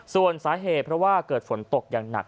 ส่วนสาเหตุเพราะว่าเกิดฝนตกอย่างหนัก